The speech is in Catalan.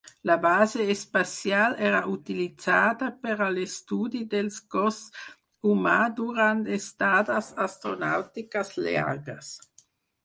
La Base Espacial era utilitzada per a l’estudi del cos humà durant estades astronàutiques llargues.